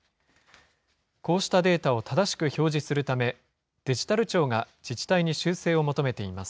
こうしたデータを正しく表示するため、デジタル庁が自治体に修正を求めています。